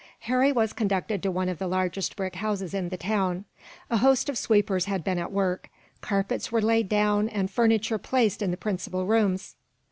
Harry was conducted to one of the largest brick houses in the town. A host of sweepers had been at work, carpets were laid down, and furniture placed in the principal rooms.